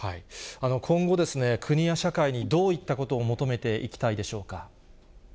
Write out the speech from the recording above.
今後、国や社会にどういったことを求めていきたいでしょうか。